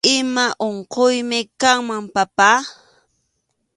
Ima unquymi kanman, papá